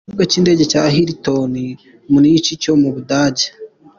Ikibuga cy’indege cya Hilton Munich cyo mu Budage.